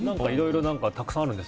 たくさんあるんですね